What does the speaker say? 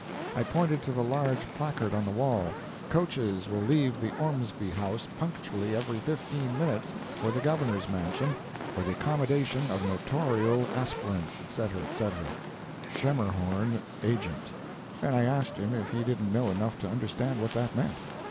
I pointed to the large placard on the wall: "Coaches will leave the Ormsby House punctually every fifteen minutes, for the Governor's mansion, for the accommodation of Notorial aspirants, etc., etc.—Schemerhorn, Agent"—and I asked him if he didn't know enough to understand what that meant?